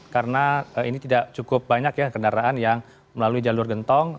karena ini tidak cukup banyak ya kendaraan yang melalui jalur gentong